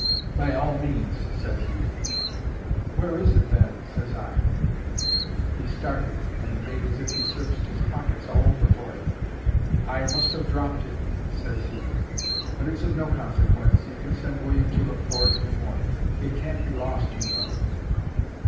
—" By all means," says he. "Where is it, then?" says I. He started and made as if he searched his pockets all over for it. "I must have dropped it," says he; "but it's of no consequence; you can send William to look for it in the morning. It can't be lost, you know."